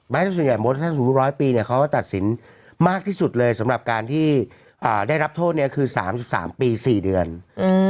ส่วนใหญ่มดถ้าสมมุติร้อยปีเนี้ยเขาก็ตัดสินมากที่สุดเลยสำหรับการที่อ่าได้รับโทษเนี้ยคือสามสิบสามปีสี่เดือนอืม